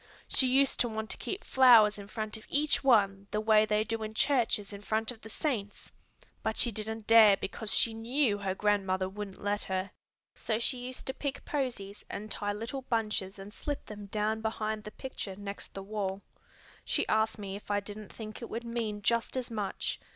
She used to want to keep flowers in front of each one the way they do in churches in front of the saints; but she didn't dare because she knew her grandmother wouldn't let her. So she used to pick posies and tie little bunches and slip them down behind the picture next the wall. She asked me if I didn't think it would mean just as much.